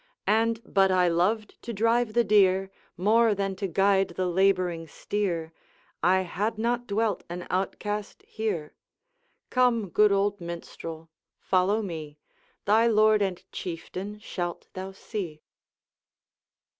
And, but I loved to drive the deer More than to guide the labouring steer, I had not dwelt an outcast here. Come, good old Minstrel, follow me; Thy Lord and Chieftain shalt thou see.'